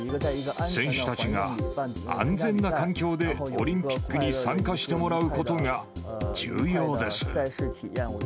選手たちが安全な環境で、オリンピックに参加してもらうことが重要です。